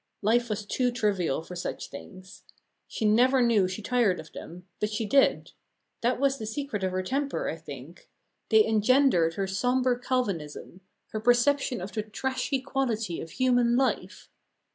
Life was too trivial for such things. She never knew she tired of them, but she did. That was the secret of her temper, I think; they engendered her sombre Calvinism, her perception of the trashy quality of human life.